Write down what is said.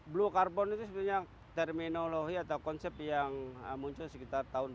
blue carbon itu sebenarnya terminologi atau konsep yang muncul sekitar tahun dua ribu